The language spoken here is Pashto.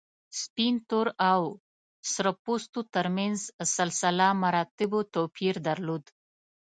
سپین، تور او سره پوستو تر منځ سلسله مراتبو توپیر درلود.